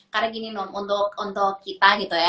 karena gini nom untuk kita